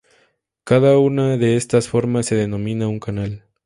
Cada una de estas formas se denomina un canal.